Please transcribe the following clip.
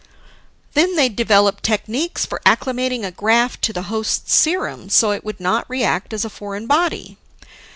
Then they'd developed techniques for acclimating a graft to the host's serum, so it would not react as a foreign body.